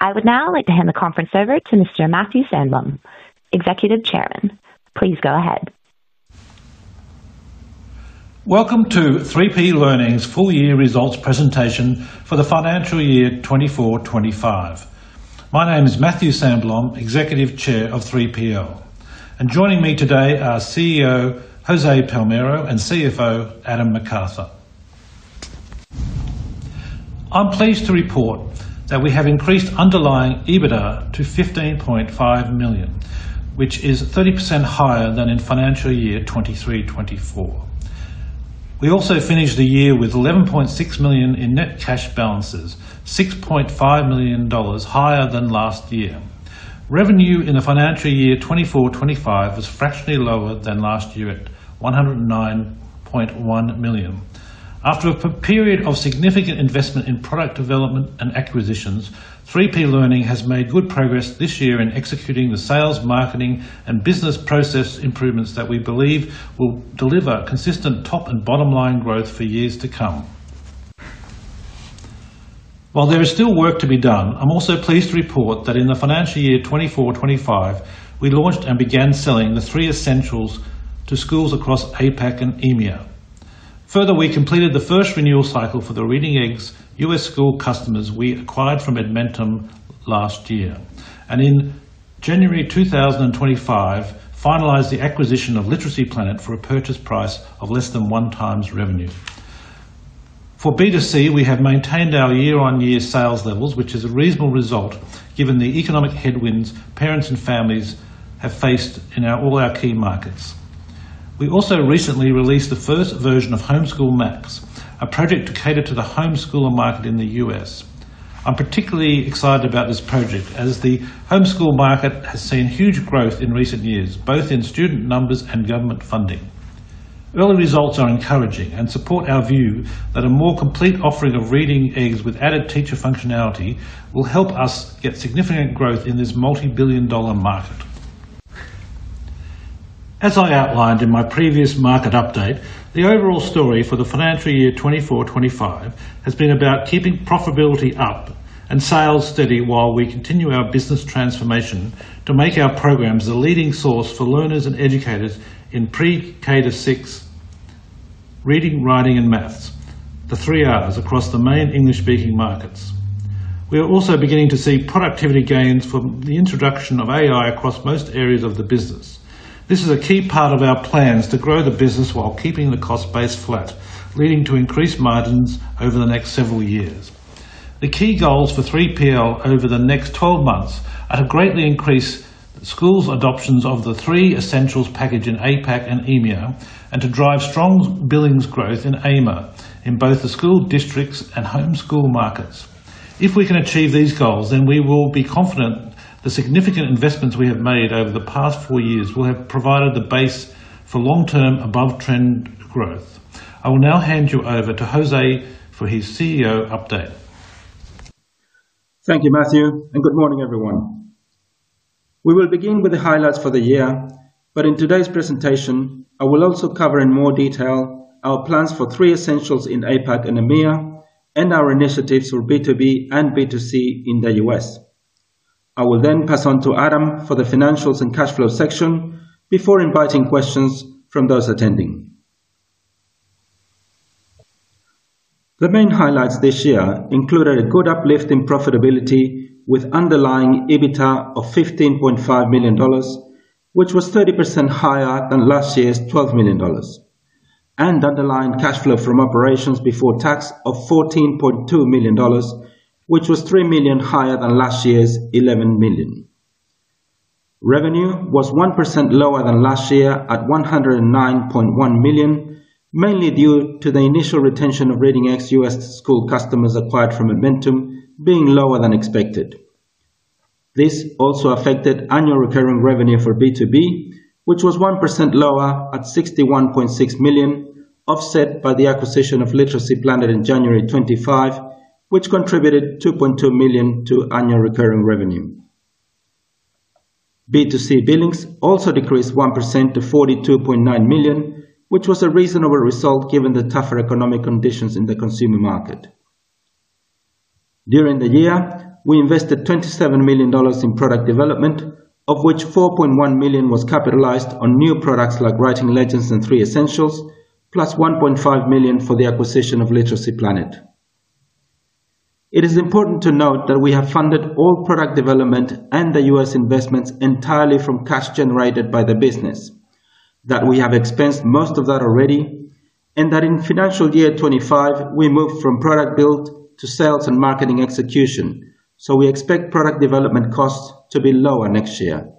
I would now like to hand the conference over to Mr. Matthew Sandblum, Executive Chairman. Please go ahead. Welcome to 3P Learning's Full Year Results Presentation for the Financial Year twenty twenty four-twenty twenty five. My name is Matthew Samblom, Executive Chair of 3PL. And joining me today are CEO, Jose Palmeiro and CFO, Adam MacArthur. I'm pleased to report that we have increased underlying EBITDA to $15,500,000 which is 30% higher than in financial year twenty three-twenty four. We also finished the year with $11,600,000 in net cash balances, 6,500,000 higher than last year. Revenue in financial year twenty four-twenty five was fractionally lower than last year at 109,100,000.0 After a period of significant investment in product development and acquisitions, 3P Learning has made good progress this year in executing the sales, marketing and business process improvements that we believe will deliver consistent top and bottom line growth for years to come. While there is still work to be done, I am also pleased to report that in the financial year twenty four-twenty five, we launched and began selling the three essentials to schools across APAC and EMEA. Further, we completed the first renewal cycle for the Reading Eggs U. S. School customers we acquired from Edmentum last year and in January 2025 finalised the acquisition of Literacy Planet for a purchase price of less than 1x revenue. For B2C, we have maintained our year on year sales levels, which is a reasonable result given the economic headwinds parents and families have faced in all our key markets. We also recently released the first version of Homeschool Maps, a project to cater to the homeschooler market in The U. S. I'm particularly excited about this project as the homeschool market has seen huge growth in recent years, both in student numbers and government funding. Early results are encouraging and support our view that a more complete offering of reading eggs with added teacher functionality will help us get significant growth in this multibillion dollar market. As I outlined in my previous market update, the overall story for the financial year twenty four-twenty five has been about keeping profitability up and sales steady while we continue our business transformation to make our programs a leading source for learners and educators in Pre K-six Reading, Writing and Math the three R's across the main English speaking markets. We are also beginning to see productivity gains from the introduction of AI across most areas of the business. This is a key part of our plans to grow the business while keeping the cost base flat, leading to increased margins over the next several years. The key goals for 3PL over the next twelve months are to greatly increase schools' adoptions of the three essentials package in APAC and EMEA and to drive strong billings growth in AIMA in both the school districts and home school markets. If we can achieve these goals, then we will be confident the significant investments we have made over the past four years will have provided the base for long term above trend growth. I will now hand you over to Jose for his CEO update. Thank you, Matthew, and good morning, everyone. We will begin with the highlights for the year, but in today's presentation, I will also cover in more detail our plans for three essentials in APAC and EMEA and our initiatives for B2B and B2C in The U. S. I will then pass on to Adam for the financials and cash flow section before inviting questions from those attending. The main highlights this year included a good uplift in profitability with underlying EBITDA of $15,500,000 which was 30% higher than last year's $12,000,000 and underlying cash flow from operations before tax of $14,200,000 which was $3,000,000 higher than last year's $11,000,000 Revenue was 1% lower than last year at $109,100,000 mainly due to the initial retention of Reading X U. S. School customers acquired from Momentum being lower than expected. This also affected annual recurring revenue for B2B, which was 1% lower at $61,600,000 offset by the acquisition of LiteracyPlanet in January 25, which contributed $2,200,000 to annual recurring revenue. B2C billings also decreased 1% to $42,900,000 which was a reasonable result given the tougher economic conditions in the consumer market. During the year, we invested $27,000,000 in product development, of which $4,100,000 was capitalized on new products like Writing Legends and Three Essentials, plus $1,500,000 for the acquisition of Literacy Planet. It is important to note that we have funded all product development and The U. S. Investments entirely from cash generated by the business, that we have expensed most of that already and that in financial year 2025, we moved from product build to sales and marketing execution. So we expect product development costs to be lower next year.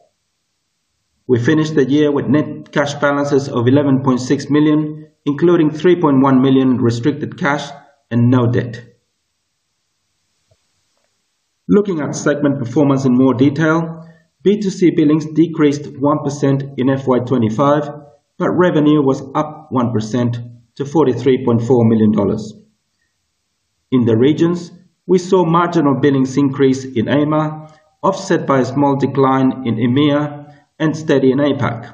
We finished the year with net cash balances of $11,600,000 including $3,100,000 restricted cash and no debt. Looking at segment performance in more detail, B2C billings decreased 1% in FY 2025, but revenue was up 1% to $43,400,000 In the regions, we saw marginal billings increase in AIMA offset by a small decline in EMEA and steady in APAC,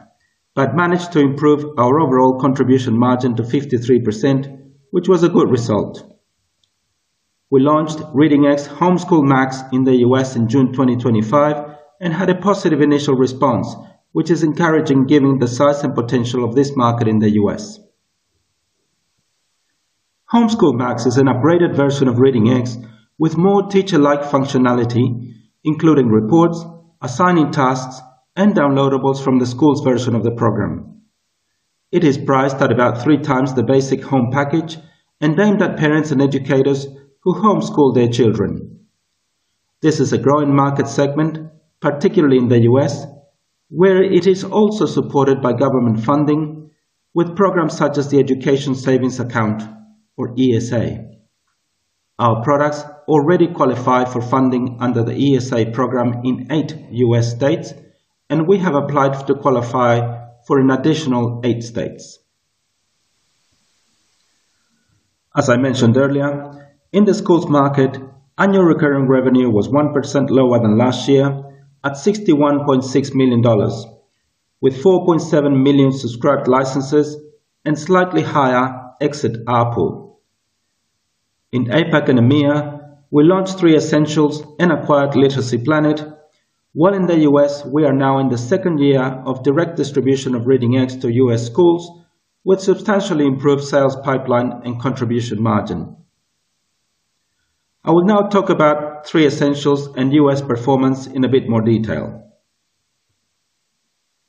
but managed to improve our overall contribution margin to 53%, which was a good result. We launched Reading X Homeschool Max in The U. S. In June 2025 and had a positive initial response, which is encouraging given the size and potential of this market in The U. S. Homeschool Max is an upgraded version of ReadingX with more teacher like functionality, including reports, assigning tasks and downloadables from the school's version of the program. It is priced at about three times the basic home package and then that parents and educators who homeschool their children. This is a growing market segment, particularly in The US, where it is also supported by government funding with programs such as the Education Savings Account or ESA. Our products already qualify for funding under the ESA program in eight US states and we have applied to qualify for an additional eight states. As I mentioned earlier, in the schools market, annual recurring revenue was 1% lower than last year at $61,600,000 with 4,700,000.0 subscribed licenses and slightly higher exit ARPU. In APAC and EMEA, we launched three Essentials and acquired Literacy Planet, While in The U. S, we are now in the second year of direct distribution of Reading X to U. S. Schools with substantially improved sales pipeline and contribution margin. I would now talk about Three Essentials and U. S. Performance in a bit more detail.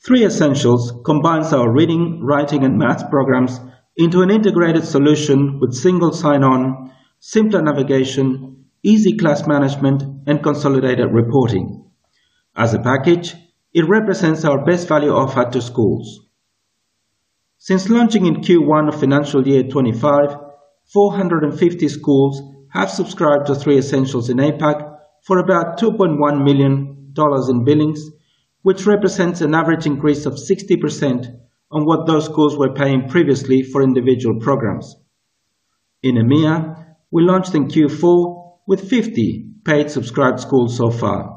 Three Essentials combines our reading, writing and math programs into an integrated solution with single sign on, symptom navigation, easy class management and consolidated reporting. As a package, it represents our best value offer to schools. Since launching in '25, four fifty schools have subscribed to Three Essentials in APAC for about $2,100,000 in billings, which represents an average increase of 60% on what those schools were paying previously for individual programs. In EMEA, we launched in Q4 with 50 paid subscribed schools so far.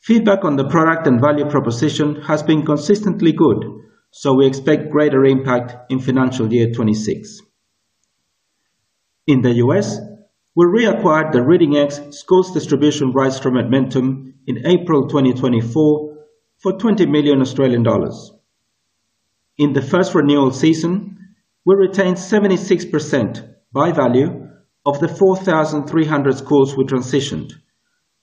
Feedback on the product and value proposition has been consistently good, so we expect greater impact in financial year '26. In The U. S, we reacquired the Reading X Scores distribution rights for Momentum in April 2024 for 20 million Australian dollars. In the first renewal season, we retained 76% buy value of the 4,300 schools we transitioned,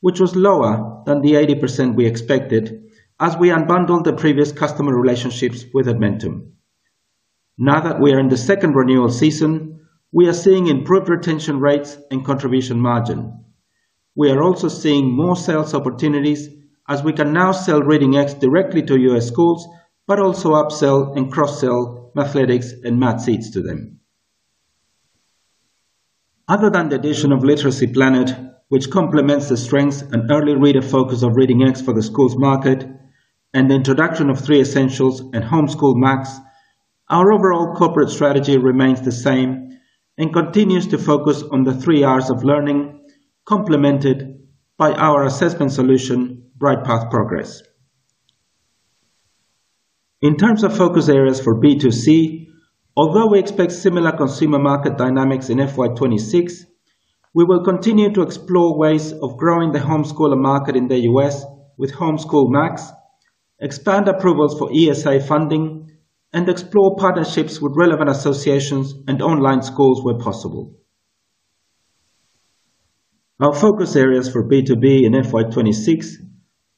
which was lower than the 80% we expected as we unbundled the previous customer relationships with Admintum. Now that we are in the second renewal season, we are seeing improved retention rates and contribution margin. We are also seeing more sales opportunities as we can now sell Reading X directly to U. S. Schools, but also upsell and cross sell Mathletics and Math Seeds to them. Other than the addition of Literacy Planet, which complements the strengths and early reader focus of Reading X for the schools market and the introduction of three Essentials and Homeschooled Max, our overall corporate strategy remains the same and continues to focus on the three Rs of learning complemented by our assessment solution, BrightPath Progress. In terms of focus areas for B2C, although we expect similar consumer market dynamics in FY 2026, we will continue to explore ways of growing the homeschooler market in The U. S. With HomeschoolMax, expand approvals for ESI funding and explore partnerships with relevant associations and online schools where possible. Our focus areas for B2B in FY 2026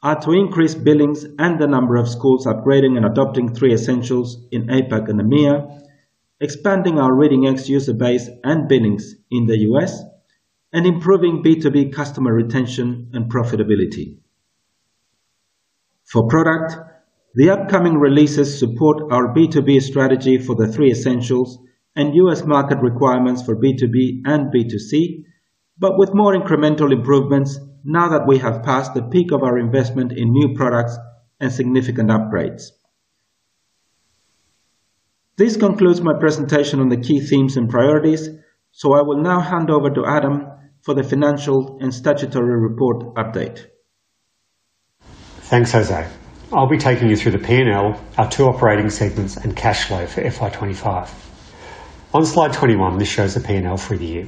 are to increase billings and the number of schools upgrading and adopting three Essentials in APAC and EMEA, expanding our Reading X user base and billings in The U. S. And improving B2B customer retention and profitability. For product, the upcoming releases support our B2B strategy for the three essentials and U. S. Market requirements for B2B and B2C, but with more incremental improvements now that we have passed the peak of our investment in new products and significant upgrades. This concludes my presentation on the key themes and priorities. So I will now hand over to Adam for the financial and statutory report update. Thanks, Jose. I'll be taking you through the P and L, our two operating segments and cash flow for FY 2025. On Slide 21, this shows the P and L for the year.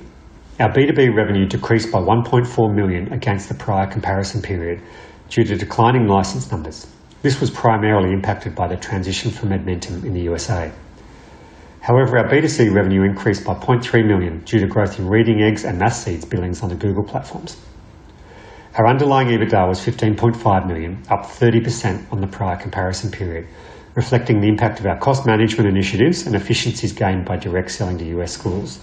Our B2B revenue decreased by $1,400,000 against the prior comparison period due to declining license numbers. This was primarily impacted by the transition from MedMentum in The USA. However, our b to c revenue increased by 300,000.0 due to growth in reading eggs and mass seeds billings on the Google platforms. Our underlying EBITDA was 15,500,000.0, up 30% on the prior comparison period, reflecting the impact of our cost management initiatives and efficiencies gained by direct selling to US schools.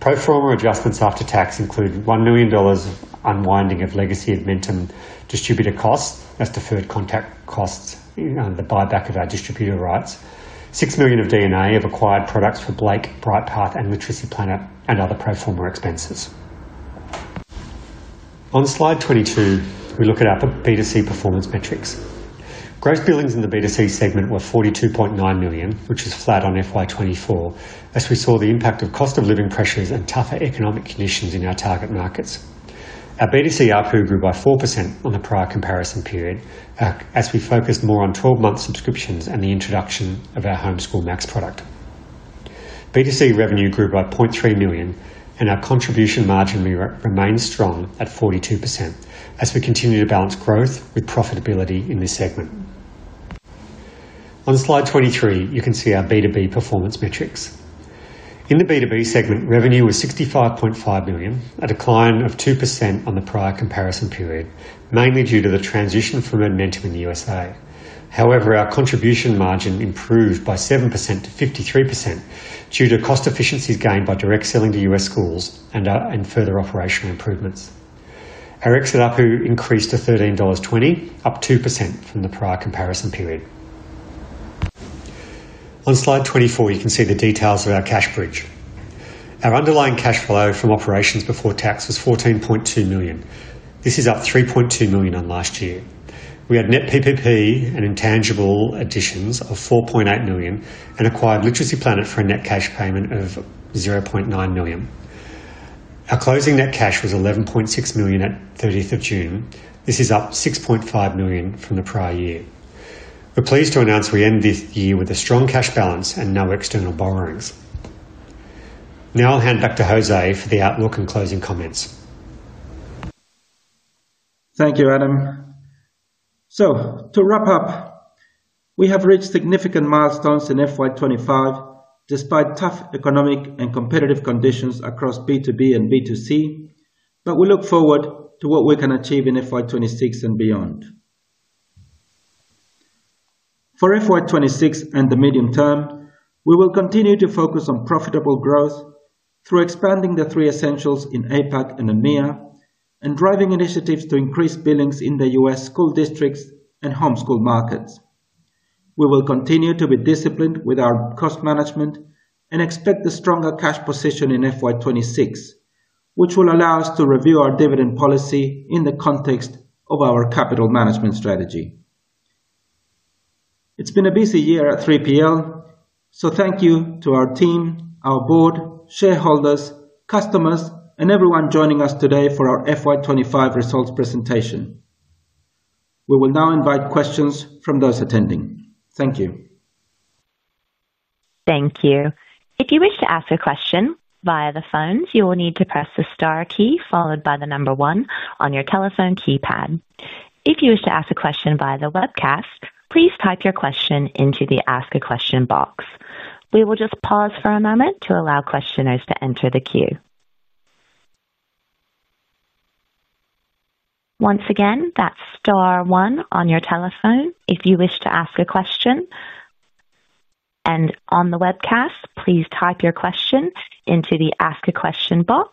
Pro form a adjustments after tax include $1,000,000 of unwinding of legacy of Minton distributor costs as deferred contact costs and the buyback of our distributor rights, 6,000,000 of DNA of acquired products for Blake, BrightPath, and Literacy Planner and other pro form a expenses. On slide 22, we look at our b to c performance metrics. Gross billings in the b to c segment were 42,900,000.0, which is flat on f y twenty four as we saw the impact of cost of living pressures and tougher economic conditions in our target markets. Our B2C ARPU grew by 4% on the prior comparison period as we focused more on twelve month subscriptions and the introduction of our Homeschool Max product. B2C revenue grew by 300,000.0, and our contribution margin remained strong at 42% as we continue to balance growth with profitability in this segment. On slide 23, you can see our b two b performance metrics. In the b two b segment, revenue was 65,500,000.0, a decline of 2% on the prior comparison period, mainly due to the transition from Momentum in The USA. However, our contribution margin improved by 7% to 53% due to cost efficiencies gained by direct selling to US schools and, and further operational improvements. Our exit ARPU increased to $13.20, up 2% from the prior comparison period. On slide 24, you can see the details of our cash bridge. Our underlying cash flow from operations before tax was 14,200,000.0. This is up 3,200,000.0 on last year. We had net PPP and intangible additions of 4,800,000.0 and acquired Literacy Planet for a net cash payment of 900,000.0. Our closing net cash was 11,600,000.0 at June 30. This is up 6,500,000.0 from the prior year. We're pleased to announce we end this year with a strong cash balance and no external borrowings. Now I'll hand back to Jose for the outlook and closing comments. Thank you, Adam. So to wrap up, we have reached significant milestones in FY 2025 despite tough economic and competitive conditions across B2B and B2C, but we look forward to what we can achieve in FY 2026 and beyond. For FY 2026 and the medium term, we will continue to focus on profitable growth through expanding the three essentials in APAC and EMEA and driving initiatives to increase billings in The U. S. School districts and homeschool markets. We will continue to be disciplined with our cost management and expect the stronger cash position in FY 2026, which will allow us to review our dividend policy in the context of our capital management strategy. It's been a busy year at 3PL, so thank you to our team, our Board, shareholders, customers and everyone joining us today for our FY twenty twenty five results presentation. We will now invite questions from those attending. Thank you. Thank you. And on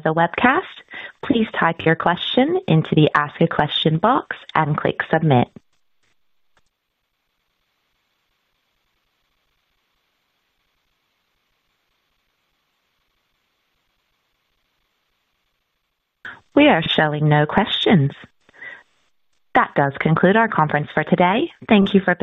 the webcast, please type your question into the Ask a Question box and click Submit. We are showing no questions. That does conclude our conference for today. Thank you for participating.